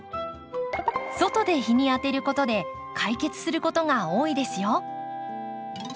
外で日に当てることで解決することが多いですよ。